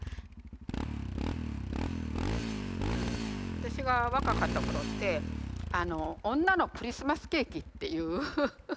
私が若かった頃って女のクリスマスケーキっていう言葉があって。